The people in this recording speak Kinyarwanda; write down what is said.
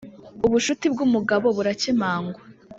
ubucuti bwumugabo burakemangwa